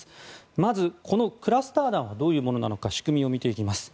まず、このクラスター弾はどういうものなのか仕組みを見ていきます。